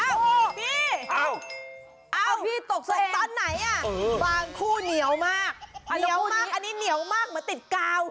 อ้าวพี่อ้าวพี่ตกสนตอนไหนบางคู่เหนียวมากอันนี้เหนียวมากมาติดกาว